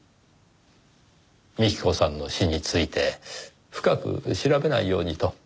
幹子さんの死について深く調べないようにと。